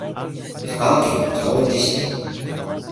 香川県観音寺市